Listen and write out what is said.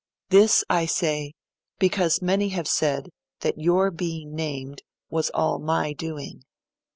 This I say, because many have said that your being named was all my doing.